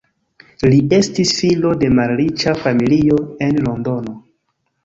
Li estis filo de malriĉa familio en Londono.